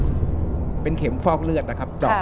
รายการต่อไปนี้เป็นรายการทั่วไปสามารถรับชมได้ทุกวัย